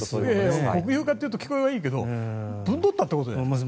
国有化というと聞こえはいいけどぶんどったってことだよね。